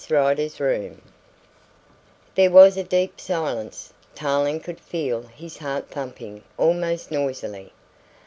RIDER'S ROOM There was a deep silence. Tarling could feel his heart thumping almost noisily.